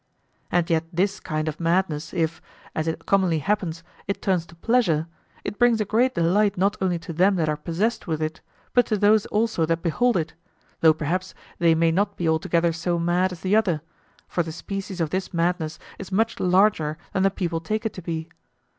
And yet this kind of madness, if, as it commonly happens, it turn to pleasure, it brings a great delight not only to them that are possessed with it but to those also that behold it, though perhaps they may not be altogether so mad as the other, for the species of this madness is much larger than the people take it to be.